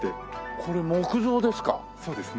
これ木造ですか？